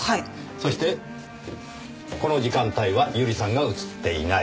そしてこの時間帯は百合さんが写っていない。